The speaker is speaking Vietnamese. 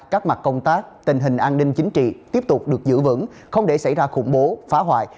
các mặt công tác tình hình an ninh chính trị tiếp tục được giữ vững không để xảy ra khủng bố phá hoại